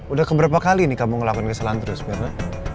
udah keberapa kali nih kamu ngelakuin kesalahan terus mirna